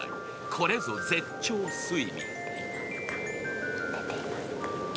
これぞ絶頂睡眠。